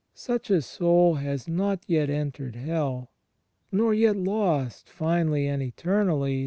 Such a soul has not yet entered Hell; nor yet lost, finally and eternally, ^ John i : 9.